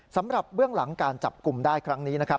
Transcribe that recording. เบื้องหลังการจับกลุ่มได้ครั้งนี้นะครับ